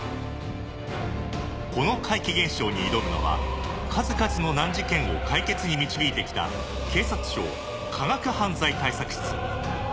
この怪奇現象に挑むのは数々の難事件を解決に導いて来た警察庁科学犯罪対策室。